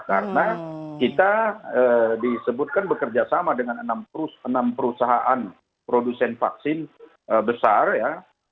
karena kita disebutkan bekerja sama dengan enam perusahaan produsen vaksin besar ya